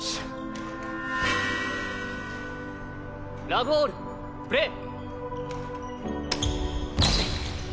ラブオールプレー。